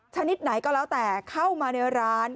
ชนิดไหนก็แล้วแต่เข้ามาในร้าน